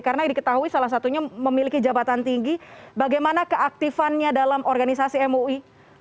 karena diketahui salah satunya memiliki jabatan tinggi bagaimana keaktifannya dalam organisasi mui